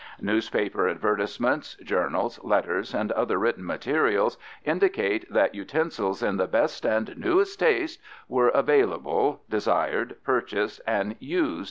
Newspaper advertisements, journals, letters, and other written materials indicate that utensils in the "best and newest taste" were available, desired, purchased, and used in this country.